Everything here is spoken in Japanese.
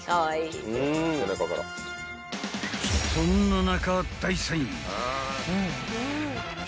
［そんな中］